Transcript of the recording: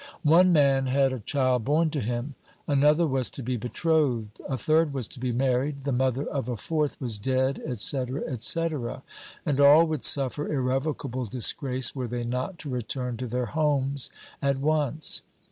One man had a child born to him, another was to be betrothed, a third was to be married, the mother of a fourth was dead, &c, &c, and all would suffer irrevocable disgrace were they not to return to their homes at once.